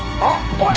おい！